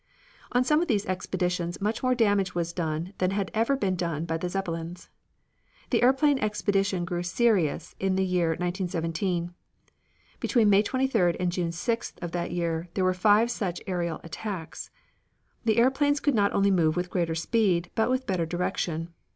On some of these expeditions much more damage was done than had ever been done by the Zeppelins. The airplane expedition grew serious in the year 1917; between May 23d and June 16th of that year there were five such aerial attacks. The airplanes could not only move with greater speed but with better direction.